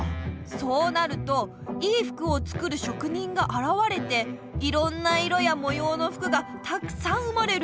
そうなるといい服を作る職人があらわれていろんな色やもようの服がたくさん生まれる。